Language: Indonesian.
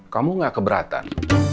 kamu nggak keberatan